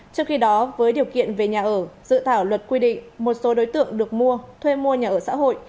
trong khi đó với điều kiện về nhà ở dự thảo luật quy định một số đối tượng được mua thuê mua nhà ở xã hội